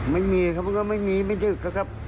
ไม่มีครับก็ไม่มีไม่ได้ยึดครับ